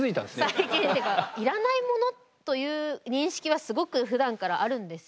最近っていうかいらないものという認識はすごくふだんからあるんですよね。